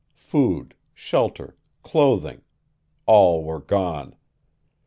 Food, shelter, clothing all were gone.